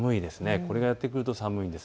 これがやって来ると寒いんです。